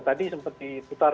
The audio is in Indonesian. tadi sempat diputar sebuah hal